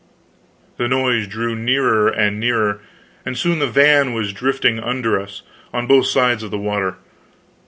The noise drew nearer and nearer, and soon the van was drifting under us, on both sides of the water.